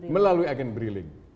melalui agen briling